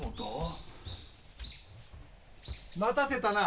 待たせたな。